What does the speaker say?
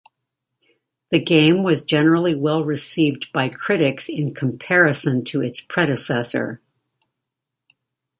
The game was generally well received by critics in comparison to its predecessor.